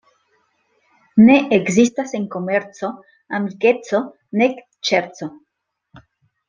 Ne ekzistas en komerco amikeco nek ŝerco.